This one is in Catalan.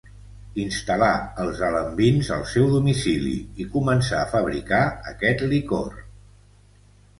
Instal·là els alambins al seu domicili i començà a fabricar aquest licor.